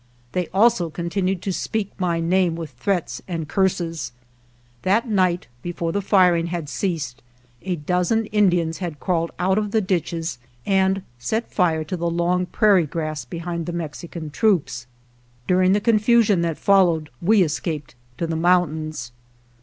They also continued to speak my name with threats and curses. That night before the firing had ceased a dozen Indians had crawled out of the ditches and set fire to the long prairie grass behind the Mexican troops. During the confusion that followed we escaped to the mountains.